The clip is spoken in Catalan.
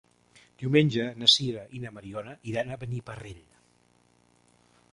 Diumenge na Sira i na Mariona iran a Beniparrell.